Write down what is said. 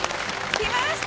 来ました！